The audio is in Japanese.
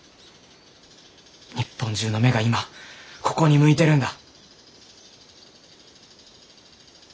日本中の目が今ここに向いてるんだ。